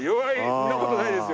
そんな事ないですよ。